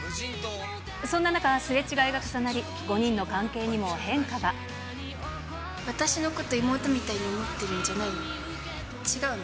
そんな中、すれ違いが重なり、私のこと、妹みたいに思ってるんじゃないの？